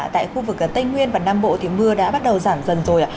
tại khu vực tây nguyên và nam bộ thì mưa đã bắt đầu giảm dần rồi ạ